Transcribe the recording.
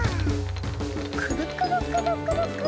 くるくるくるくるくる。